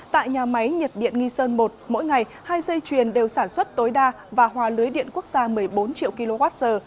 tại nhà máy nhiệt điện nghi sơn một mỗi ngày hai dây chuyền đều sản xuất tối đa và hòa lưới điện quốc gia một mươi bốn triệu kwh